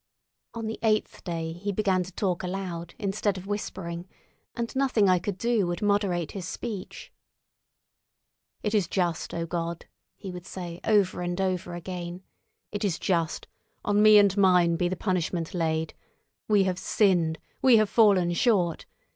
On the eighth day he began to talk aloud instead of whispering, and nothing I could do would moderate his speech. "It is just, O God!" he would say, over and over again. "It is just. On me and mine be the punishment laid. We have sinned, we have fallen short.